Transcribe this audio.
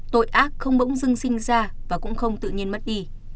tội ác không bỗng dưng sinh ra và cũng không tự nhiên mất đi